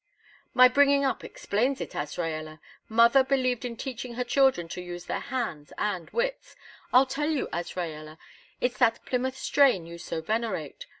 "My bringing up explains it, Azraella. Mother believed in teaching her children to use their hands and wits. I'll tell you, Azraella; it's that Plymouth strain you so venerate.